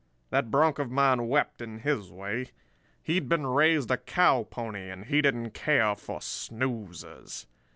"That bronc of mine wept, in his way. He'd been raised a cow pony and he didn't care for snoozers.